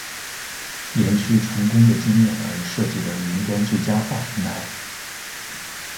延续成功的经验而设计的云端最佳化平台。